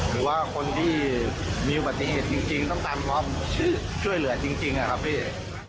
หรือว่าคนที่มีอุบัติเหตุจริงต้องตามความช่วยเหลือจริงนะครับพี่